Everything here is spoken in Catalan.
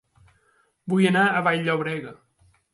Vull anar a Vall-llobrega